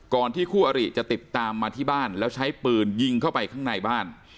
ที่คู่อริจะติดตามมาที่บ้านแล้วใช้ปืนยิงเข้าไปข้างในบ้าน